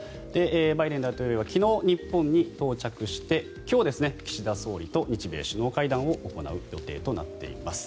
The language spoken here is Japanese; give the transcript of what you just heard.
バイデン大統領は昨日、日本に到着して今日、岸田総理と日米首脳会談を行う予定となっています。